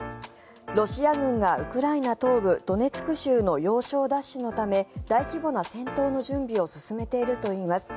ロシア軍がウクライナ東部ドネツク州の要衝奪取のため大規模な戦闘の準備を進めているといいます。